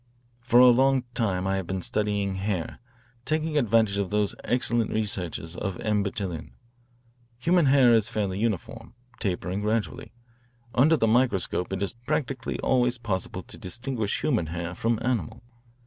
"For a long time I have been studying hair, taking advantage of those excellent researches by M. Bertillon. Human hair is fairly uniform, tapering gradually. Under the microscope it is practically always possible to distinguish human hair from animal.